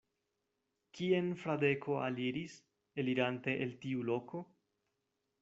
Kien Fradeko aliris, elirante el tiu loko?